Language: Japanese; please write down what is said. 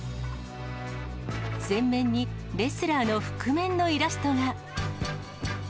全面にレスラーの覆面のイラストが。